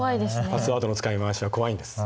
パスワードの使いまわしは怖いんです。